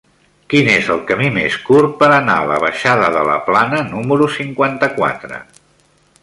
Quin és el camí més curt per anar a la baixada de la Plana número cinquanta-quatre?